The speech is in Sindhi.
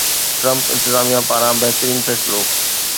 ٽرمپ انتظاميه پاران بهترين فيصلو